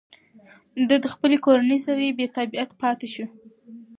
ده د خپلې کورنۍ سره بېتابعیت پاتې شو.